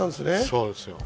そうですよ。